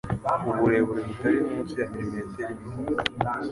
uburebure butari munsi ya milimetero imwe